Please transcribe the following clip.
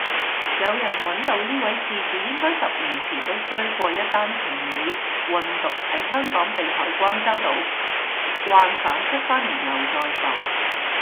有人搵到呢位事主應該十年前都衰過一單行李運毒喺香港被海關周到，慣犯出返嚟又再犯